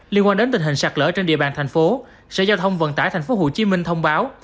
liên quan đến tình hình sạt lỡ trên địa bàn thành phố sở giao thông vận tải tp hcm thông báo